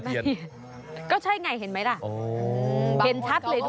เป็นว่าเห็นเป็นตัวเลข